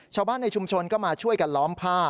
ชาวบ้านในชุมชนก็มาช่วยกันล้อมผ้า